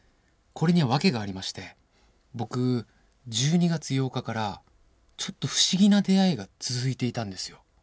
これには訳がありまして僕１２月８日からちょっと不思議な出会いが続いていたんですよ。